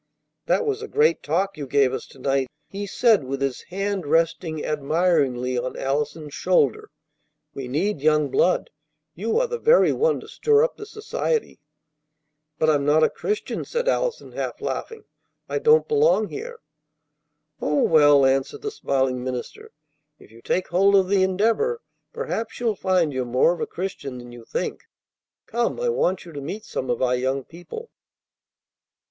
"That was a great talk you gave us to night," he said with his hand resting admiringly on Allison's shoulder. "We need young blood. You are the very one to stir up this society." "But I'm not a Christian," said Allison, half laughing. "I don't belong here." "Oh, well," answered the smiling minister, "if you take hold of the Endeavor, perhaps you'll find you're more of a Christian than you think. Come, I want you to meet some of our young people."